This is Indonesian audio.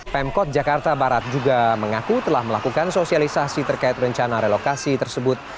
pemkot jakarta barat juga mengaku telah melakukan sosialisasi terkait rencana relokasi tersebut